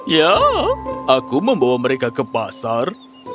ya aku membawa mereka ke pasar